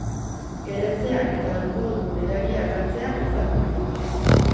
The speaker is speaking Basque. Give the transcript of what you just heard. Erretzea eta alkoholdun edariak hartzea ez da komeni.